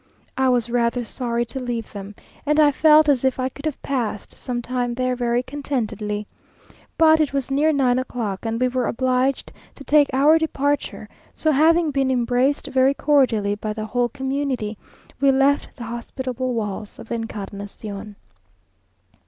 I was rather sorry to leave them, and I felt as if I could have passed some time there very contentedly; but it was near nine o'clock, and we were obliged to take our departure; so having been embraced very cordially by the whole community, we left the hospitable walls of the Encarnación.